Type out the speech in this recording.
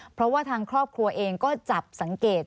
เพราะว่าทางครอบครัวเองก็จับสังเกต